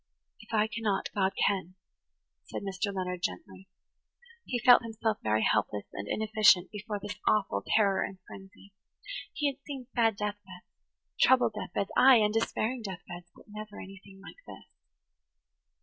"If I cannot, God can," said Mr. Leonard gently. He felt himself very helpless and inefficient before this awful terror and frenzy. He had seen sad death beds–troubled death beds–ay, and despairing death beds, but never anything like this.